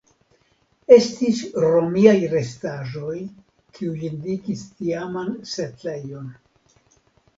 Estis romiaj restaĵoj kiuj indikis tiaman setlejon.